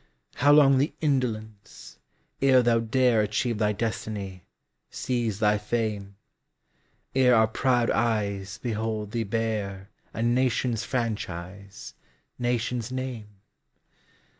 How long the indolence, ere thou dareAchieve thy destiny, seize thy fame; Ere our proud eyes behold thee bearA nation's franchise, nation's name?